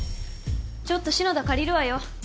ちょっと篠田借りるわよ。